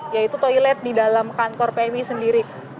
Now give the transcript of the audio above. yaitu toilet di dalam kantor pmi sendiri